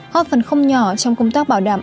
hót phần không nhỏ trong công tác bảo đảm